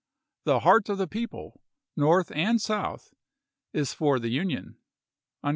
The heart of the people, North and South, is for the Union."